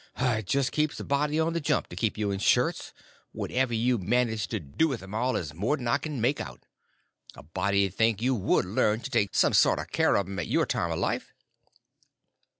It just keeps a body on the jump to keep you in shirts; and whatever you do manage to do with 'm all is more'n I can make out. A body 'd think you would learn to take some sort of care of 'em at your time of life."